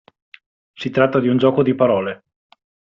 Si tratta di un gioco di parole.